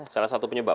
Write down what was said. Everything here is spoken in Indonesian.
salah satu penyebab